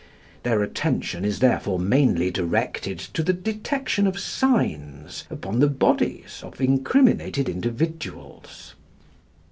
Their attention is therefore mainly directed to the detection of signs upon the bodies of incriminated individuals.